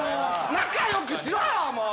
仲良くしろよもう！